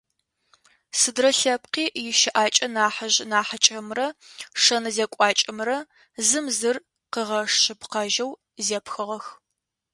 Сыдрэ лъэпкъи ищыӏакӏэ нахьыжъ-нахьыкӏэмрэ шэн-зекӏуакӏэмрэ зым зыр къыгъэшъыпкъэжьэу зэпхыгъэх.